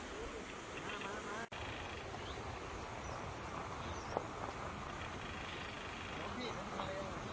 สุดท้ายเมื่อเวลาสุดท้ายเมื่อเวลาสุดท้าย